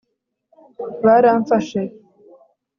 baramfashe